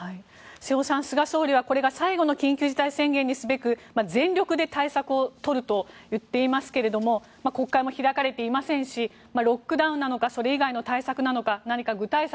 瀬尾さん、菅総理はこれが最後の緊急事態宣言にすべく全力で対策を取ると言っていますが国会も開かれていませんしロックダウンなのかそれ以外の対策なのか何か具体策